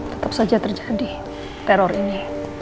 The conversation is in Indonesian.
tetap saja terjadi teror ini